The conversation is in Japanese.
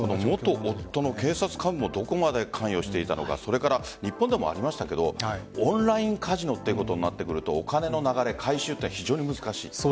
元夫の警察幹部もどこまで関与していたのか日本でもありましたがオンラインカジノっていうことになってくるとお金の流れ、回収は非常に難しい。